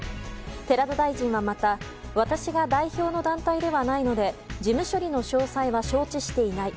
寺田大臣はまた私が代表の団体ではないので事務処理の詳細は承知していない。